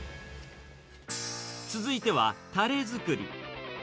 続いては、たれ作り。